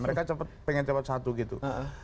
mereka cepet pengen cepet satu gitu